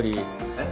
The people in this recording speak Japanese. えっ？